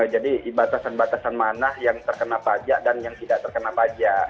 jadi batasan batasan mana yang terkena pajak dan yang tidak terkena pajak